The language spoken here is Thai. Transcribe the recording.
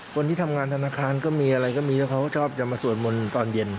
คนที่ทำงานธนาคารก็มีอะไรก็มีแล้วเขาชอบจะมาสวดมนต์ตอนเย็น